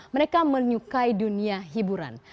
mereka menyukai dunia hiburan